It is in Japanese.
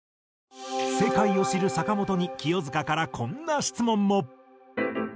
世界を知る坂本に清塚からこんな質問も。